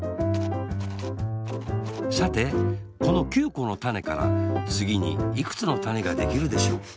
さてこの９このたねからつぎにいくつのたねができるでしょう？